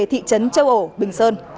thị trấn châu ổ bình sơn